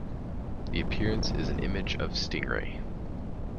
The appearance is an image of Stingray.